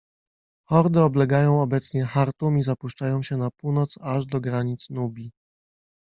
Hordy oblegają obecnie Chartum i zapuszczają się na północ aż do granic Nubii.